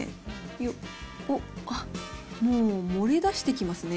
よっ、おっ、もう漏れ出してきますね。